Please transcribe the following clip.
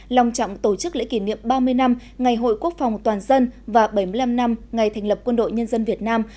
lòng trọng tổ chức lễ kỷ niệm ba mươi năm ngày hội quốc phòng toàn dân và bảy mươi năm năm ngày thành lập quân đội nhân dân việt nam